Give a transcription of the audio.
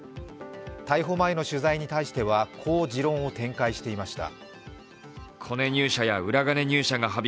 逮捕前の取材に対しては、こう持論を展開していました。